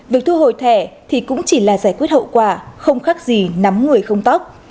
việc thu hồi thẻ thì cũng chỉ là giải quyết hậu quả không khác gì nắm người không tóc